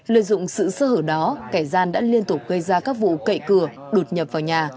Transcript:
lợi dụng sự sơ hở đó kẻ gian đã liên tục gây ra các vụ cậy cửa đột nhập vào nhà